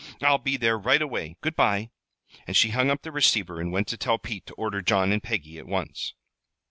"I'll be there right away. Good by." And she hung up the receiver, and went to tell Pete to order John and Peggy at once.